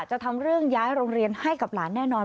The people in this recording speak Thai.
จะทำเรื่องย้ายโรงเรียนให้กับหลานแน่นอน